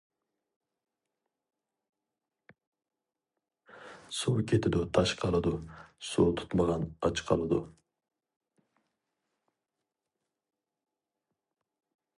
سۇ كېتىدۇ تاش قالىدۇ، سۇ تۇتمىغان ئاچ قالىدۇ.